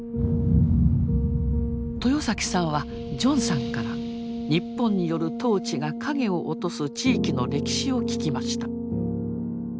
豊さんはジョンさんから日本による統治が影を落とす地域の歴史を聞きました。